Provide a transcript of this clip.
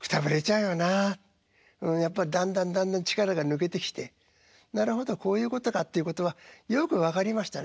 うんやっぱりだんだんだんだん力が抜けてきてなるほどこういうことかっていうことはよく分かりましたね。